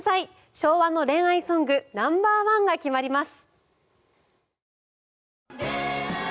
昭和の恋愛ソングナンバーワンが決まります。